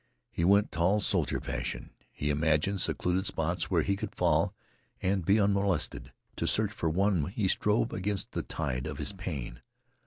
He went tall soldier fashion. He imagined secluded spots where he could fall and be unmolested. To search for one he strove against the tide of his pain.